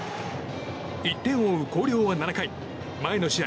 １点を追う広陵は７回、打席には前の試合